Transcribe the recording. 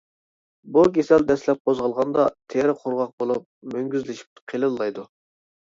بۇ كېسەل دەسلەپ قوزغالغاندا تېرە قۇرغاق بولۇپ، مۈڭگۈزلىشىپ قېلىنلايدۇ.